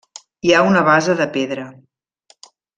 Hi ha una base de pedra.